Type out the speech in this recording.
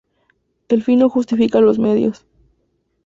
El fin no justifica los medios